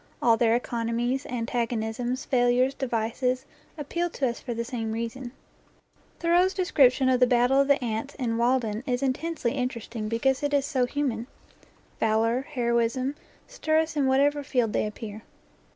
All their economies, antagonisms, failures, devices, appeal to us for the same reason. Thoreau's description of the battle of the ants in "Walden" is intensely interesting because it is so 27 NEW GLEANINGS IN OLD FIELDS human. Valor, heroism, stir us in whatever field they appear.